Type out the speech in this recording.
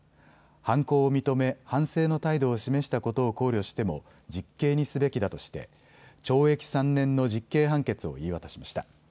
犯行を認め反省の態度を示したことを考慮しても実刑にすべきだとして懲役３年の実刑判決を言い渡しました。